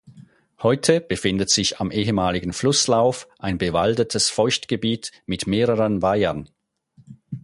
Heute befindet sich am ehemaligen Flusslauf ein bewaldetes Feuchtgebiet mit mehreren Weihern.